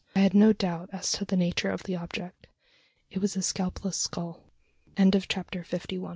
I had no doubt as to the nature of the object: it was a scalpless skull! CHAPTER FIFTY TWO.